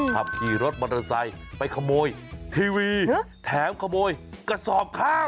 ขับขี่รถมอเตอร์ไซค์ไปขโมยทีวีแถมขโมยกระสอบข้าว